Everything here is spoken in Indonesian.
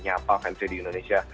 nyapa fans nya di indonesia